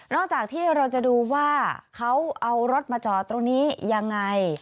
จากที่เราจะดูว่าเขาเอารถมาจอดตรงนี้ยังไง